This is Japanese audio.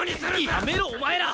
やめろお前ら！